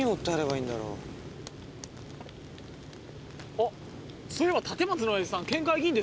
あっそういえば立松の親父さん県会議員ですよね？